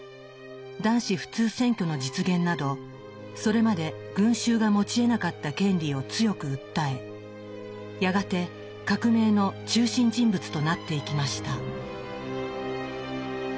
男子普通選挙の実現などそれまで群衆が持ちえなかった権利を強く訴えやがて革命の中心人物となっていきました。